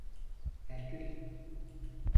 Herkül…